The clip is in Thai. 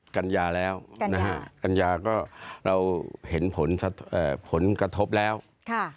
กัญญาแล้วนะฮะกัญญาก็เราเห็นผลเอ่อผลกระทบแล้วค่ะ